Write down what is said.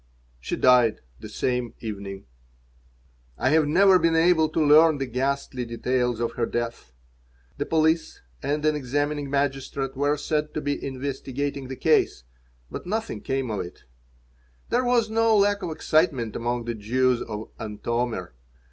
She died the same evening I have never been able to learn the ghastly details of her death. The police and an examining magistrate were said to be investigating the case, but nothing came of it There was no lack of excitement among the Jews of Antomir.